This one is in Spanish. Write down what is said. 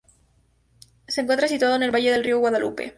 Se encuentra situado en el valle del río Guadalope.